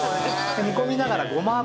煮込みながらごま油。